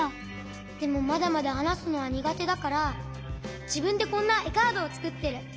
でもまだまだはなすのはにがてだからじぶんでこんなえカードをつくってる。